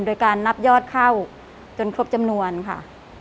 โดยการนับยอดเข้าจนครบจำนวนค่ะ